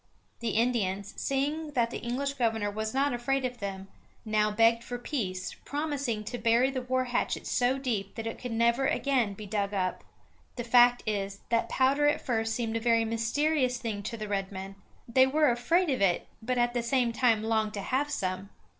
The Indians, seeing that the English governor was not afraid of them, now begged for peace, promising to bury the war hatchet so deep that it could never again be dug up. The fact is that powder at first seemed a very mysterious thing to the red men. They were afraid of it, but at the same time longed to have some.